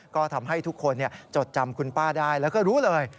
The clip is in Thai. ก็ทำให้ทุกคนจดจำคุณป้าได้แล้วก็รู้เลย